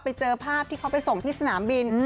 ไปเจอภาพที่เขาไปส่งที่สนามบิน